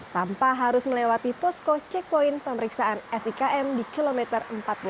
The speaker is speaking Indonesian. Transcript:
tanpa harus melewati posko cek poin pemeriksaan sikm di kilometer empat puluh tujuh